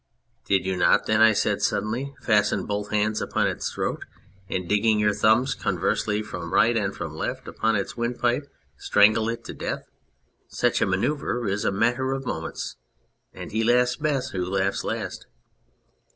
"Did you not, then," said I, "suddenly fasten both hands upon its throat and, digging your thumbs conversely from right and from left upon its wind pipe, strangle it to death ? Such a manoeuvre is a matter of moments, and he laughs best who laughs last."